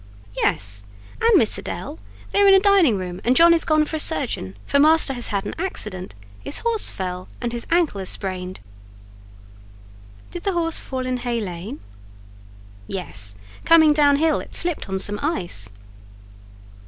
"Yes, and Miss Adèle; they are in the dining room, and John is gone for a surgeon; for master has had an accident; his horse fell and his ankle is sprained." "Did the horse fall in Hay Lane?" "Yes, coming down hill; it slipped on some ice."